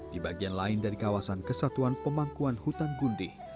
di bagian lain dari kawasan kesatuan pemangkuan hutan gundi